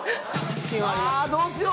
ああどうしよう！